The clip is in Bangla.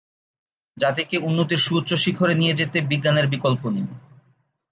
জাতিকে উন্নতির সুউচ্চ শিখরে নিয়ে যেতে বিজ্ঞানের বিকল্প নেই।